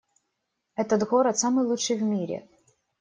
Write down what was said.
Этот город самый лучший в мире!